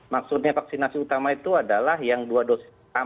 maksudnya vaksinasi utama itu adalah yang dua dosis